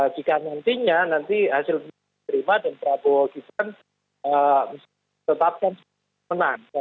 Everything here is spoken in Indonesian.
jika nantinya nanti hasil terima dan prabowo gipen tetapkan sepenuhnya